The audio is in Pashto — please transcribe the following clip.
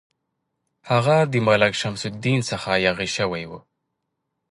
هغه د ملک شمس الدین څخه یاغي شوی وو.